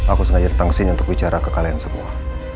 aku sengaja datang kesini untuk bicara ke kalian semua